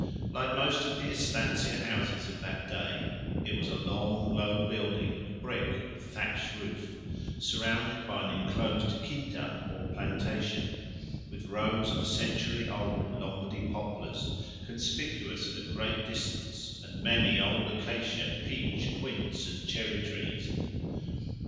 Like most of the estancia houses of that day it was a long low building of brick with thatched roof, surrounded by an enclosed quinta, or plantation, with rows of century old Lombardy poplars conspicuous at a great distance, and many old acacia, peach, quince, and cherry trees.